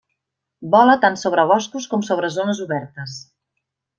Vola tant sobre boscos com sobre zones obertes.